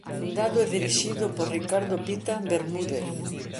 Fundado e dirixido por Ricardo Pita Bermúdez.